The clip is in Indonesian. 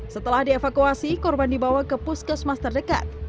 setelah dievakuasi korban dibawa ke puskesmas terdekat